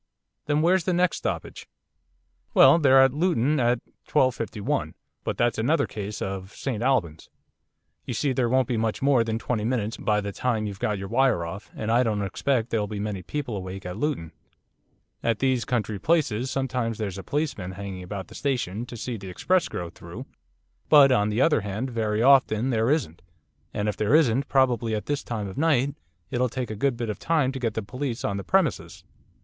'Then where's the next stoppage?' 'Well, they're at Luton at 12.51. But that's another case of St Albans. You see there won't be much more than twenty minutes by the time you've got your wire off, and I don't expect there'll be many people awake at Luton. At these country places sometimes there's a policeman hanging about the station to see the express go through, but, on the other hand, very often there isn't, and if there isn't, probably at this time of night it'll take a good bit of time to get the police on the premises.